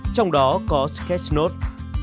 trong đó có sketch note